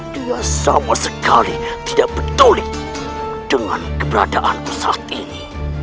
dia sama sekali tidak peduli dengan keberadaanku saat ini